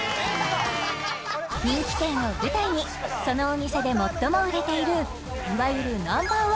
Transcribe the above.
人気店を舞台にそのお店で最も売れているいわゆるＮｏ．１